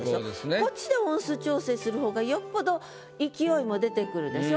こっちで音数調整する方がよっぽど勢いも出てくるでしょ。